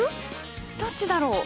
どっちだろう？